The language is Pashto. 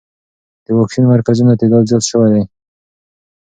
د واکسین مرکزونو تعداد زیات شوی دی.